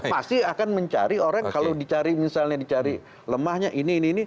pasti akan mencari orang kalau dicari misalnya dicari lemahnya ini ini ini